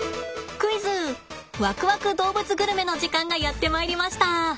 クイズわくわく動物グルメの時間がやってまいりました！